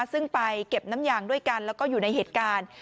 ซึ่งไปเก็บน้ำยางด้วยกันแล้วก็อยู่ในเหตุการณ์